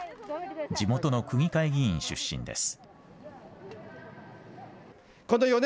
地元の区議会議員出身です。